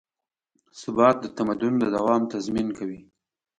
ثبات د تمدن د دوام تضمین کوي.